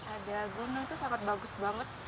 ada gunung itu sangat bagus banget